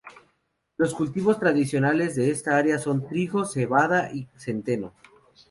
Los cultivos tradicionales de esta área son trigo, cebada y centeno.